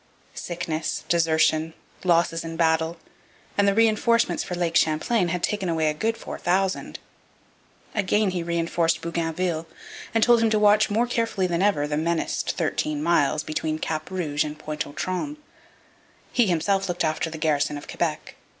Sickness, desertion, losses in battle, and the reinforcements for Lake Champlain had taken away a good 4,000. Again he reinforced Bougainville, and told him to watch more carefully than ever the menaced thirteen miles between Cap Rouge and Pointe aux Trembles. He himself looked after the garrison of Quebec.